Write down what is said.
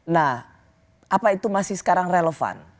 nah apa itu masih sekarang relevan